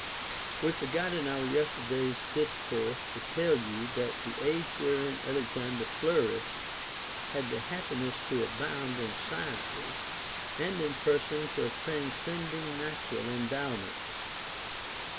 We forgot in our yesterday's discourse to tell you, that the age wherein Alexander iioarished had the happiness to abound in sciences and in persons of transcending natu ral endowments.